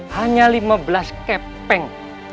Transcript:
hanya lima belas kepeng